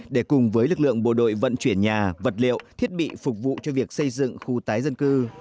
để cùng với lực lượng bộ đội vận chuyển nhà vật liệu thiết bị phục vụ cho việc xây dựng khu tái định cư